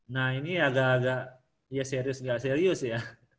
nah ini agak agak ya serius nggak serius ya